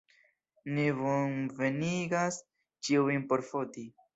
Ni bonvenigas ĉiujn por foti.